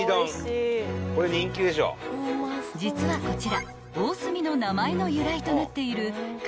［実はこちら］